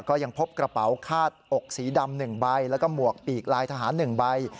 ก็ยังพบกระเป๋าคาดอกสีดำ๑ใบแล้วก็หมวกปีกลายทหาร๑ใบ